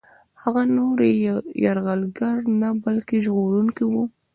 هغه نور یو یرغلګر نه بلکه ژغورونکی وو.